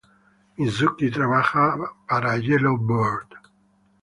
Mizuki trabaja para Yellow Bird.